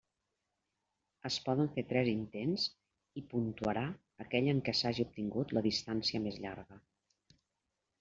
Es poden fer tres intents, i puntuarà aquell en què s'hagi obtingut la distància més llarga.